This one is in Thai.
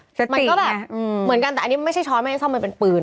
มันก็แบบเหมือนกันแต่อันนี้ไม่ใช่ช้อนไม่ให้ซ่อมมันเป็นปืน